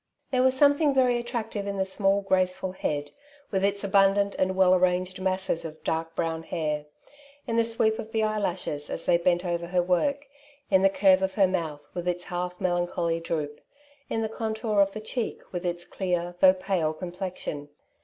There was something very attractive in the small graceful head^ with its abundant and well arranged masses of dark brown hair ; in the 9weep of the eye lashes, as they bent over her work ; in the curve of her mouth, with its half melancholy droop ; in the contour of the cheek, with its clear, though pale complexion.